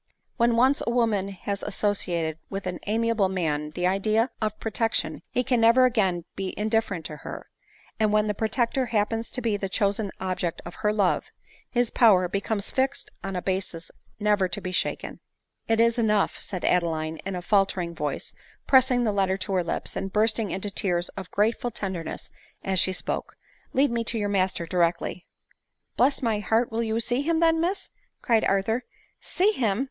When once a woman has associated with an amiable man the idea of protection, he can never again be indif ferent to her ; and when the protector happens to be the chosen object of her love, his power becomes fixed on a basis never to be shaken. " It is enough," said Adeline in a faltering voice, pressing the letter to her lips, and bursting into tears of grateful tenderness as she spoke ;" Lead me to your master directly." "Bless my heart! will you see him then, Miss?" cried Arthur. " See him